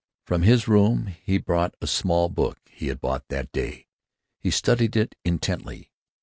From his room he brought a small book he had bought that day. He studied it intently.